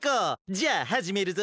じゃあはじめるぞ。